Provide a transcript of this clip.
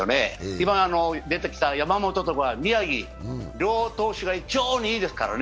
今出てきた山本とか宮城、両投手が非常にいいですからね。